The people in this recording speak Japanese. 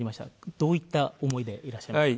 どういった思いでいらっしゃいますか？